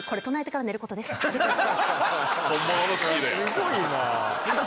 すごいな。